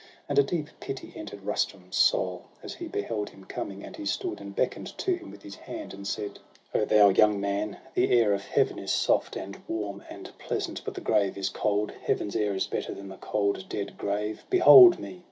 And a deep pity enter'd Rustum's soul As he beheld him coming; and he stood, And beckon'd to him with his hand, and said :— 'O thou young man, the air of Heaven is soft, And warm, and pleasant; but the grave is cold! Heaven's air is better than the cold dead grave. Behold me